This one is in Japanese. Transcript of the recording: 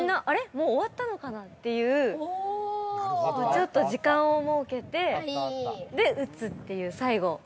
もう終わったのかな？」っていう時間を設けて打つっていう、最後。